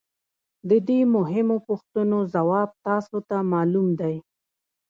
د دې مهمو پوښتنو ځواب تاسو ته معلوم دی